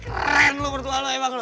keren lo perjuangan lo emang